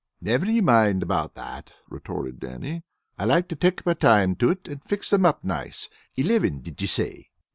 "Never ye mind about that," retorted Dannie. "I like to take my time to it, and fix them up nice. Elivin, did ye say?"